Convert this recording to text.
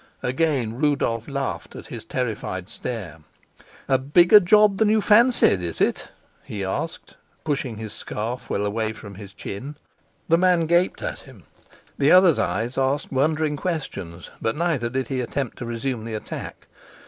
Again Rudolf laughed at his terrified stare. "A bigger job than you fancied, is it?" he asked, pushing his scarf well away from his chin. The man gaped at him; the other's eyes asked wondering questions, but neither did he attempt to resume the attack.